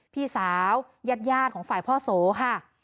พี่สาวยาดของฝ่ายพ่อโสค่ะ